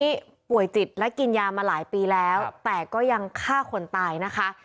ป่วยจิตและกินยามาหลายปีแล้วแต่ก็ยังฆ่าคนตายนะคะ